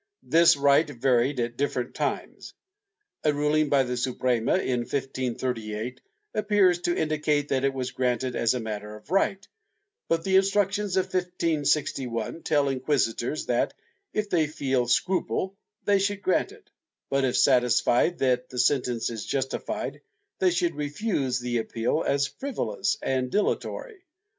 This right varied at different times. A ruling by the Suprema, in 1538, appears to indicate that it was granted as a matter of right, but the Instructions of 1561 tell inquisitors that, if they feel scruple, they should grant it, but if satisfied that the sentence is justified they should refuse the appeal as frivolous and dilatory.